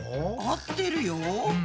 合ってるよ。